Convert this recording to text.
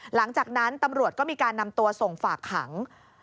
หลังจากนั้นตำรวจก็มีการนำตัวส่งฝากขัง